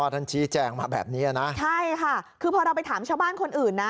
ชี้แจงมาแบบนี้นะใช่ค่ะคือพอเราไปถามชาวบ้านคนอื่นนะ